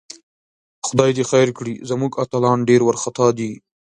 خدای دې خیر کړي، زموږ اتلان ډېر وارخطاء دي